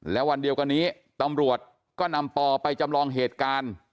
และวันเดียวกันนี้ตำรวจก็นำปอไปจำลองเหตุการณ์